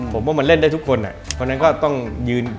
ผมว่ามันเล่นได้ทุกคนเพราะฉะนั้นก็ต้องยืน